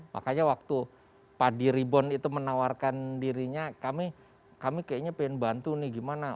makanya waktu pak diri bond itu menawarkan dirinya kami kayaknya ingin bantu nih gimana